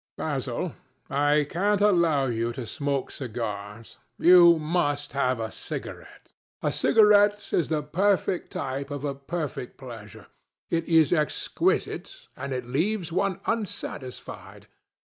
Basil, I can't allow you to smoke cigars. You must have a cigarette. A cigarette is the perfect type of a perfect pleasure. It is exquisite, and it leaves one unsatisfied.